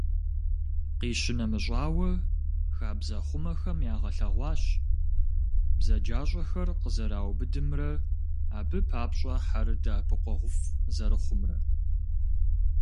Къищынэмыщӏауэ, хабзэхъумэхэм ягъэлъэгъуащ бзаджащӏэхэр къызэраубыдымрэ, абы папщӏэ хьэр дэӏэпыкъуэгъуфӏ зэрыхъумрэ.